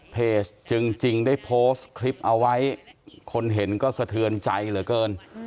จึงจริงได้โพสต์คลิปเอาไว้คนเห็นก็สะเทือนใจเหลือเกิน